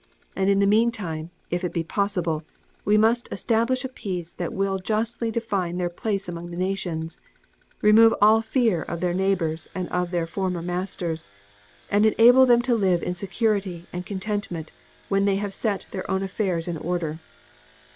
And in the meantime, if it be possible, we must establish a peace that will justly define their place among the nations, remove all fear of their neighbors and of their former masters, and enable them to live in security and contentment when they have set their own affairs in order.